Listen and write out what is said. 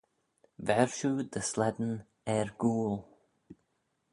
Ver shiu dy slane er gooyl.